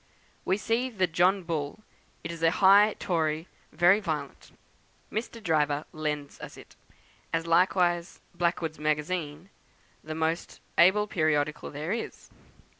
We see the 'John Bull;' it is a high Tory, very violent. Mr. Driver lends us it, as likewise 'Blackwood's Magazine,' the most able periodical there is.